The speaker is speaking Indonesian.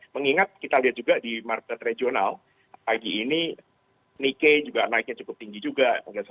mengingat kita lihat juga di market regional pagi ini nike juga naiknya cukup tinggi juga